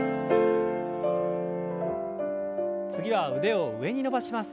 次は腕を上に伸ばします。